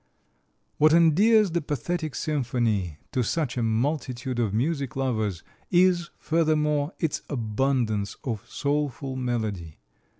What endears the "Pathetic Symphony" to such a multitude of music lovers is, furthermore, its abundance of soulful melody.